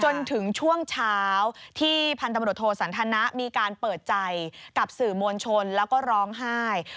จนถึงช่วงเช้าที่พันตำรวจโทสันทนะมีการเปิดใจกับสื่อมวลชนแล้วก็ร้องไห้